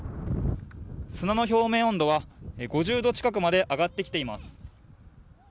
砂の表面温度は５０度近くまで上がってきています。